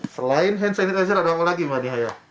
selain hand sanitizer ada apa lagi mbak dihaya